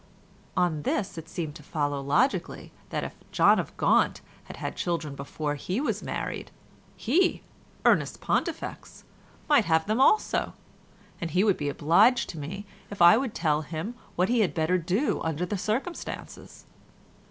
On this it seemed to follow logically that if John of Gaunt had had children before he was married, he, Ernest Pontifex, might have them also, and he would be obliged to me if I would tell him what he had better do under the circumstances.